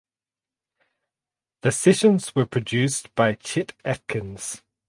The sessions were produced by Chet Atkins.